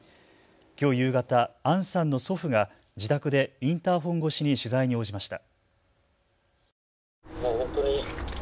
きょう夕方、杏さんの祖父が自宅でインターホン越しに取材に応じました。